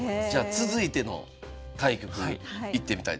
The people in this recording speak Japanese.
続いての対局いってみたいと思います。